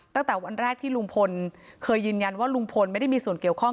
ตั้งแต่วันแรกที่ลุงพลเคยยืนยันว่าลุงพลไม่ได้มีส่วนเกี่ยวข้อง